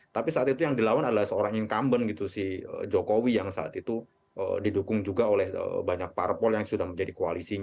tapi saat itu yang dilawan adalah seorang incumbent gitu si jokowi yang saat itu didukung juga oleh banyak parpol yang sudah menjadi koalisinya